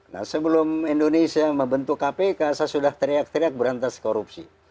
nah sebelum indonesia membentuk kpk saya sudah teriak teriak berantas korupsi